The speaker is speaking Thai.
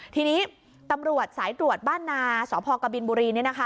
ทีนี้ตำรวจสายตรวจบ้านนาสพกบินบุรี